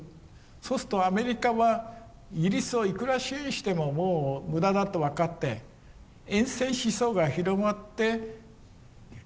そうするとアメリカはイギリスをいくら支援してももう無駄だと分かって厭戦思想が広まってギブアップするだろうっていう。